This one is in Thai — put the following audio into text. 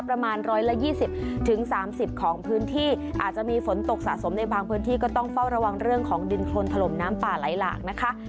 ประมาณ๑๒๐๓๐ของพื้นที่อาจจะมีฝนตกสะสมในบางพื้นที่ก็ต้องเฝ้าระวังเรื่องของดินโครนถล่มน้ำป่าไหลหลากนะคะ